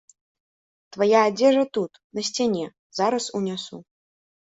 Твая адзежа тут, на сцяне, зараз унясу.